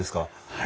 はい。